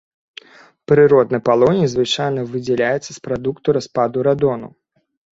Прыродны палоній звычайна выдзяляюць з прадуктаў распаду радону.